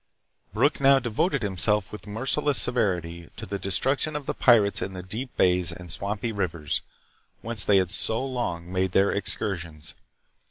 Brooke now devoted himself with merciless severity to the destruction of the pirates in the deep bays and swampy rivers, whence they had so long made their excursions.